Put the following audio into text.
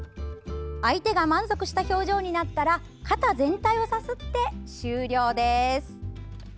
相手が満足した表情になったら肩全体をさすって終了です。